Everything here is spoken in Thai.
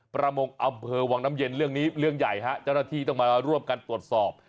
ประมงอำเภอวังน้ำเย็นเรื่องนี้เรื่องใหญ่ฮะเจ้าหน้าที่ต้องมาร่วมกันตรวจสอบ